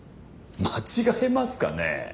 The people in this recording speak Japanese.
間違えますかね？